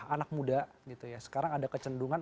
anak muda sekarang ada kecendungan